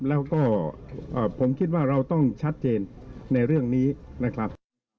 แล้วก็ผมคิดว่าเราต้องชัดเจนในเรื่องนี้นะครับ